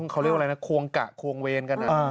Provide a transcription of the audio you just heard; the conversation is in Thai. เขาเรียกว่าหโกงกะหโกงเวร